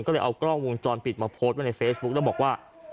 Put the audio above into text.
ก็เลยเอากล้องวงจรปิดมาโพสต์ไว้ในเฟซบุ๊คแล้วบอกว่า